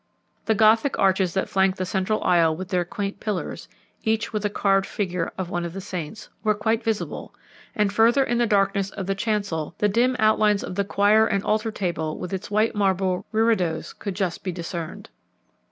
The Gothic arches that flanked the centre aisle with their quaint pillars, each with a carved figure of one of the saints, were quite visible, and further in the darkness of the chancel the dim outlines of the choir and altar table with its white marble reredos could be just discerned.